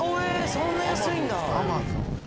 そんな安いんだ。